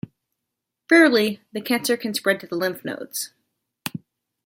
Rarely, the cancer can spread to the lymph nodes.